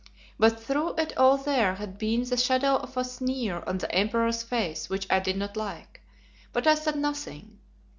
But through it all there had been the shadow of a sneer on the emperor's face which I did not like. But I said nothing.